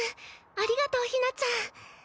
ありがとうひなちゃん。